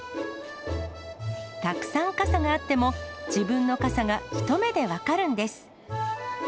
たくさん傘があっても、自分の傘がひと目で分かるんです。